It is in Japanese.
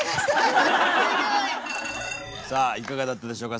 さあいかがだったでしょうか？